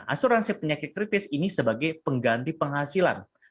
asuransi penyakit kritis ini sebagai pengganti penghasilan